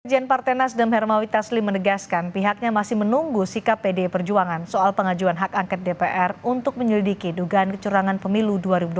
sekjen partai nasdem hermawi taslim menegaskan pihaknya masih menunggu sikap pdi perjuangan soal pengajuan hak angket dpr untuk menyelidiki dugaan kecurangan pemilu dua ribu dua puluh